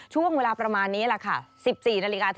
ช่วงเวลาประมาณนี้แหละค่ะ